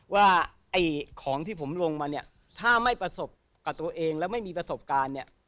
ว่าไอ้ของที่ผมลงมาเนี่ยถ้าไม่ประสบกับตัวเองแล้วไม่มีประสบการณ์เนี่ย